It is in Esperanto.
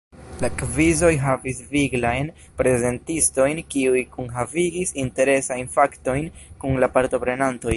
La kvizoj havis viglajn prezentistojn kiuj kunhavigis interesajn faktojn kun la partoprenantoj.